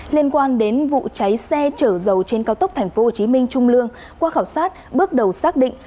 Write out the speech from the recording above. liên quan đến vụ cháy xe chở dầu trên cao tốc tp hcm trung lương qua khảo sát bước đầu xác định